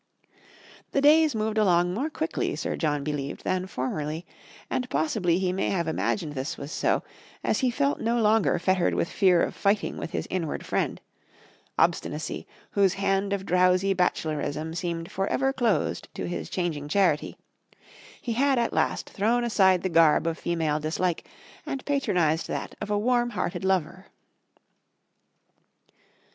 The days moved along more quickly Sir John believed than formerly; and possibly he may have imagined this was so, as he felt no longer fettered with fear of fighting with his inward friend obstinacy, whose hand of drowsy bachelorism seemed for ever closed to his changing charity; he had at last thrown aside the garb of female dislike, and patronised that of a warm hearted lover.